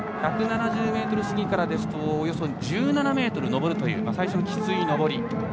１７０ｍ過ぎからですとおよそ１７ｍ上るという最初のきつい上り。